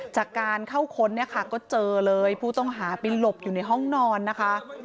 จากการเข้าค้นเนี่ยค่ะก็เจอเลยผู้ต้องหาไปหลบอยู่ในห้องนอนนะคะ